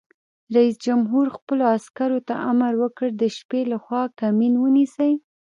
رئیس جمهور خپلو عسکرو ته امر وکړ؛ د شپې لخوا کمین ونیسئ!